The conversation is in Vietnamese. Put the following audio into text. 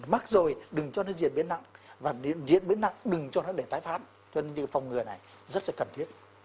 mắc rồi đừng cho nó diễn biến nặng và diễn biến nặng đừng cho nó để tái phát cho nên phòng ngừa này rất là cần thiết